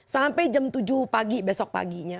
sampai jam tujuh pagi besok paginya